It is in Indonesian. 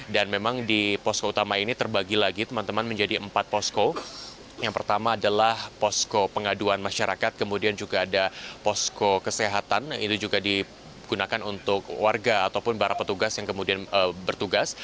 dan memang di posko utama ini terbagi lagi teman teman menjadi empat posko yang pertama adalah posko pengaduan masyarakat kemudian juga ada posko kesehatan itu juga digunakan untuk warga ataupun para petugas yang kemudian bertugas